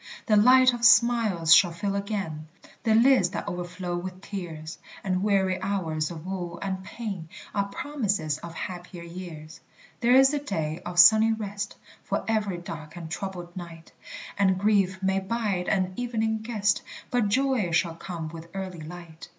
The light of smiles shall fill again The lids that overflow with tears; And weary hours of woe and pain Are promises of happier years. There is a day of sunny rest For every dark and troubled night; And grief may bide an evening guest, But joy shall come with early light.